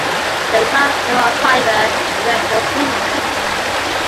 There are a large number of private and international schools.